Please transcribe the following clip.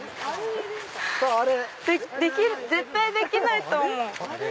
絶対できないと思う。